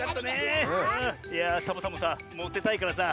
いやサボさんもさモテたいからさ